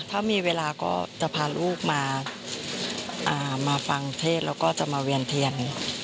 ถ้ามีเวลาก็จะพาลูกมาฟังเทศแล้วก็จะมาเวียนเทียน